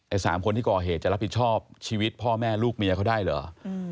สามคนที่ก่อเหตุจะรับผิดชอบชีวิตพ่อแม่ลูกเมียเขาได้เหรอ